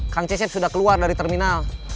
kang cesep sudah keluar dari terminal